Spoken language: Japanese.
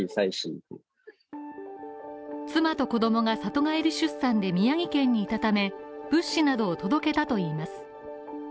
妻と子供が里帰り出産で宮城県にいたため物資などを届けたといいます。